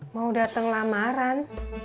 mau dateng lamaran